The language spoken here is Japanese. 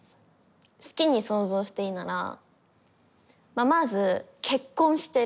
好きに想像していいならまあまず結婚してる。